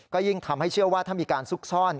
ก็ยิ่งทำให้เชื่อว่าถ้ามีการซุกซ่อน